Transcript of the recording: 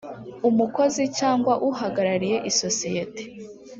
umukozi cyangwa uhagarariye isosiyete